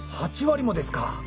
８割もですか！